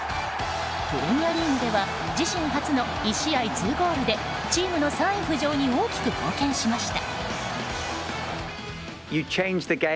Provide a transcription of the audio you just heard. プレミアリーグでは自身初の１試合２ゴールでチームの３位浮上に大きく貢献しました。